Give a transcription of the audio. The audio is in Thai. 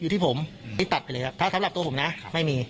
ที่ผมที่ตัดไปเลยครับถ้าสำหรับตัวผมนะไม่มี